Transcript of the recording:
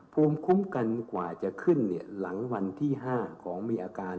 ภูมิคุ้มกันกว่าจะขึ้นหลังวันที่๕ของมีอาการ